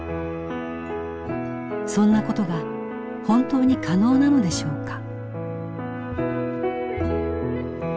そんなことが本当に可能なのでしょうか？